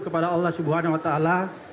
kepada allah subhanahu wa ta'ala